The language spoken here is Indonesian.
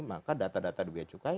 maka data data di biaya cukai